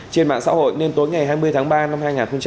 trên mạng xã hội nên tối ngày hai mươi tháng ba năm hai nghìn hai mươi